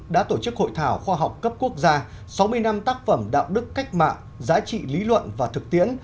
đã tổ chức hội thảo khoa học cấp quốc gia sáu mươi năm tác phẩm đạo đức cách mạng giá trị lý luận và thực tiễn